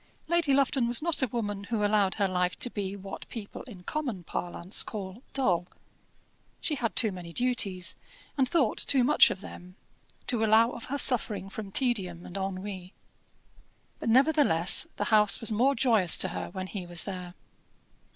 Lady Lufton was not a woman who allowed her life to be what people in common parlance call dull. She had too many duties, and thought too much of them, to allow of her suffering from tedium and ennui. But nevertheless the house was more joyous to her when he was there.